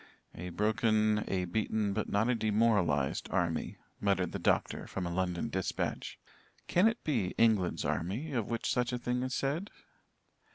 "'A broken, a beaten, but not a demoralized, army,'" muttered the doctor, from a London dispatch. "Can it be England's army of which such a thing is said?"